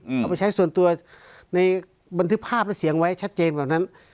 เอาไปใช้ส่วนตัวในบันทึกภาพและเสียงไว้ชัดเจนแบบนั้น